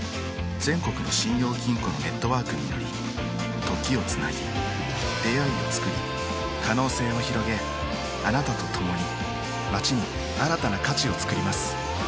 全国の信用金庫のネットワークにより時をつなぎ出会いをつくり可能性をひろげあなたとともに街に新たな価値をつくります